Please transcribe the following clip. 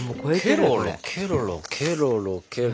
ケロロケロロケロロ。